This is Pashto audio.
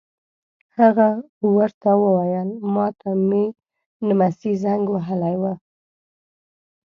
هغه ور ته وویل: ما ته مې نمسی زنګ وهلی و.